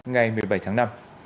ngày một mươi bảy tháng năm